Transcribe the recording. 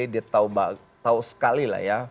dia tahu sekali lah ya